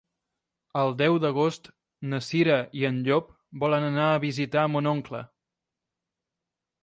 El deu d'agost na Cira i en Llop volen anar a visitar mon oncle.